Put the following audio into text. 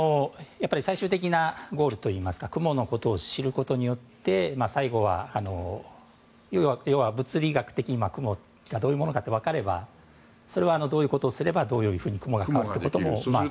最終的なゴールといいますか雲のことを知ることによって最後は、要は物理学的に雲がどういうものか分かればそれはどういうことをすればどういうふうに雲が変わるかは。